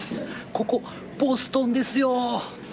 ここ、ボストンですよ。